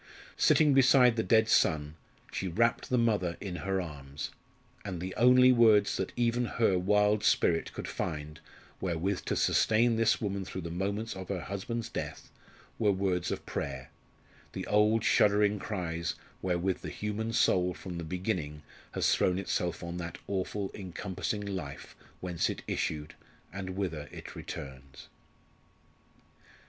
Sitting beside the dead son, she wrapt the mother in her arms, and the only words that even her wild spirit could find wherewith to sustain this woman through the moments of her husband's death were words of prayer the old shuddering cries wherewith the human soul from the beginning has thrown itself on that awful encompassing Life whence it issued, and whither it returns.